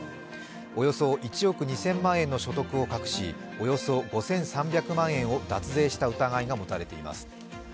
およそ１億２０００万円の所得を隠し、およそ５３００万円を脱税した疑いが持たれています。